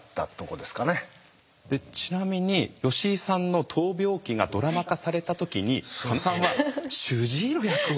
でちなみに吉井さんの闘病記がドラマ化された時に佐野さんは主治医の役を。